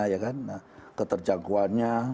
ya kan nah keterjangkauannya